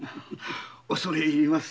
恐れ入ります。